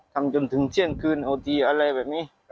ทำจนจนทริจุเชียงคืนโอทีอะไรแบบนี้